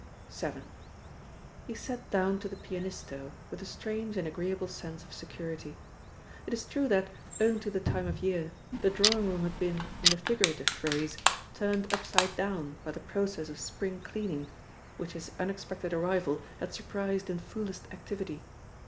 VII. He sat down to the pianisto with a strange and agreeable sense of security. It is true that, owing to the time of year, the drawing room had been, in the figurative phrase, turned upside down by the process of spring cleaning, which his unexpected arrival had surprised in fullest activity.